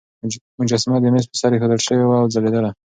مجسمه د مېز پر سر ایښودل شوې وه او ځلېدله.